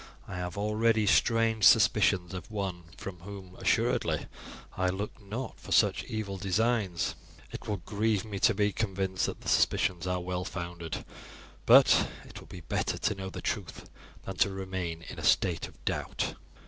"I have already strange suspicions of one from whom assuredly I looked not for such evil designs. It will grieve me to be convinced that the suspicions are well founded; but it will be better to know the truth than to remain in a state of doubt."